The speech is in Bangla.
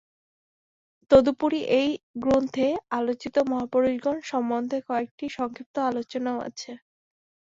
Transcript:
তদুপরি এই গ্রন্থে আলোচিত মহাপুরুষগণ সম্বন্ধে কয়েকটি সংক্ষিপ্ত আলোচনাও আছে।